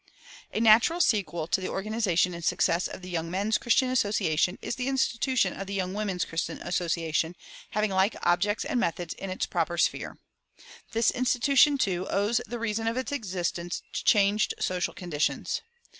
A natural sequel to the organization and success of the Young Men's Christian Association is the institution of the Young Women's Christian Association, having like objects and methods in its proper sphere. This institution, too, owes the reason of its existence to changed social conditions.